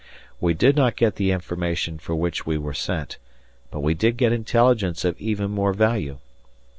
We did not get the information for which we were sent, but we did get intelligence of even more value.